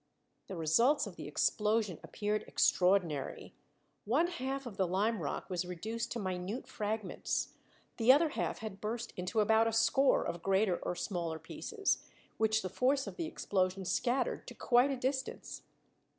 The results of the explosion appeared extraordinary. One half of the lime rock was reduced to minute fragments; the other half had burst into about a score of greater or smaller pieces, which the force of the explosion scattered to quite a distance.